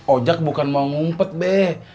ojak bukan mau ngumpet beh